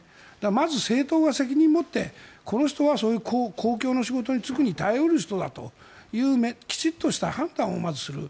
まず政党が責任もってこの人はそういう公共の仕事に就く人に耐え得る人だときちんとした判断をまずする。